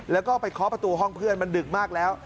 แล้วก็ไปเคาะประตูห้องเพื่อนมันดึกมากแล้ว